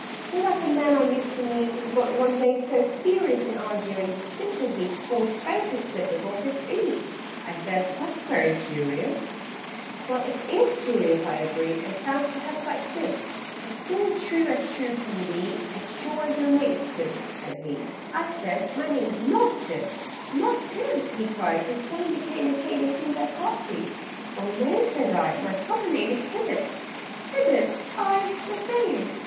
"You're like a man I used to meet, Who got one day so furious In arguing, the simple heat Scorched both his slippers off his feet!" I said "That's very curious!" [Illustration: "SCORCHED BOTH HIS SLIPPERS OFF HIS FEET"] "Well, it is curious, I agree, And sounds perhaps like fibs: But still it's true as true can be As sure as your name's Tibbs," said he. I said "My name's not Tibbs." "Not Tibbs!" he cried his tone became A shade or two less hearty "Why, no," said I. "My proper name Is Tibbets " "Tibbets?" "Aye, the same."